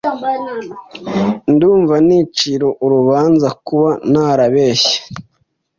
Ndumva nicira urubanza kuba narabeshye.